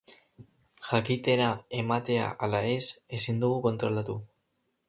Jakitera ematea ala ez, ezin dugu kontrolatu.